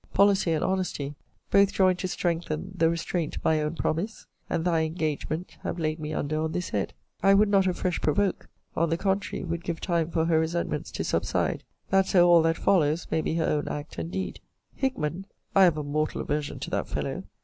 Policy and honesty, both join to strengthen the restraint my own promise and thy engagement have laid me under on this head. I would not afresh provoke: on the contrary, would give time for her resentments to subside, that so all that follows may be her own act and deed. Hickman, [I have a mortal aversion to that fellow!